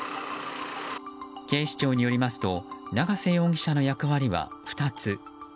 警視庁によりますと長瀬容疑者の役割は２つ。